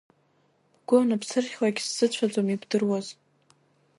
Бгәы аныбсырхьлак сзыцәаӡом, ибдыруаз…